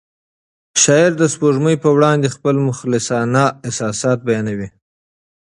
شاعر د سپوږمۍ په وړاندې خپل مخلصانه احساسات بیانوي.